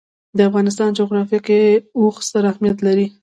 د افغانستان جغرافیه کې اوښ ستر اهمیت لري.